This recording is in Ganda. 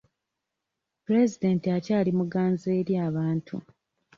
Pulezidenti akyali muganzi eri abantu.